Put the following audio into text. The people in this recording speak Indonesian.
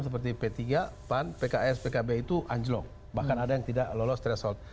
seperti p tiga pan pks pkb itu anjlok bahkan ada yang tidak lolos threshold